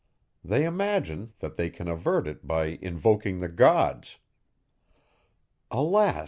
They imagine that they can avert it by invoking the gods. Alas!